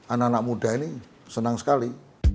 anak anak muda ini senang sekali